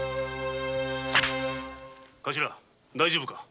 頭大丈夫か？